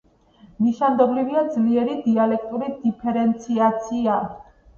ნიშანდობლივია ძლიერი დიალექტური დიფერენციაცია.